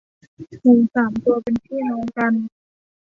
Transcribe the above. หมูสามตัว เป็นพี่น้องกัน